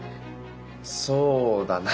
そうだな。